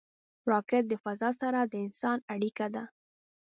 راکټ د فضا سره د انسان اړیکه ده